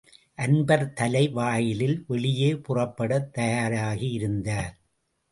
அன்பர் தலை வாயிலில் வெளியே புறப்படத் தயாராயிருந்தார்.